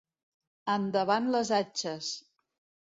Endavant les atxes!